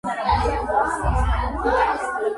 ისინი ნაგები იყო სპეციალურად მოწყობილ მოედანზე.